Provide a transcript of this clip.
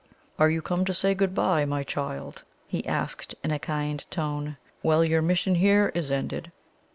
"Are you come to say 'Good bye,' my child?" he asked, in a kind tone. "Well, your mission here is ended!"